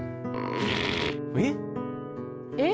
えっ？えっ？